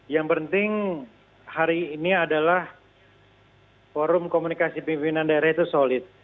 yang penting hari ini adalah forum komunikasi pimpinan daerah itu solid